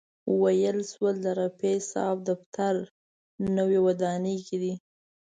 ویل شول د رفیع صاحب دفتر نوې ودانۍ کې دی.